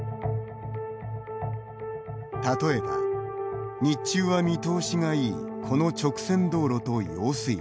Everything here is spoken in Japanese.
例えば、日中は見通しがいいこの直線道路と用水路。